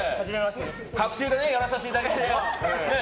隔週でやらさせていただいて。